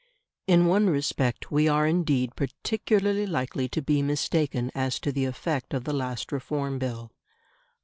In one respect we are indeed particularly likely to be mistaken as to the effect of the last Reform Bill.